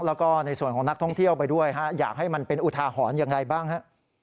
แล้วก็ในส่วนของนักท่องเที่ยวไปด้วยฮะอยากให้มันเป็นอุทาหรณ์อย่างไรบ้างฮะ